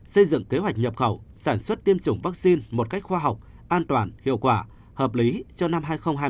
xây dựng kế hoạch nhập khẩu sản xuất tiêm chủng vaccine một cách khoa học an toàn hiệu quả hợp lý cho năm hai nghìn hai mươi bốn